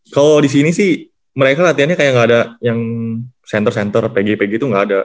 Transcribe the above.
kalau disini sih mereka latihannya kayak gak ada yang center center pg pg tuh gak ada